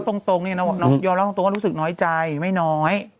ตรงเนี่ยน้องยอมรับตรงว่ารู้สึกน้อยใจไม่น้อย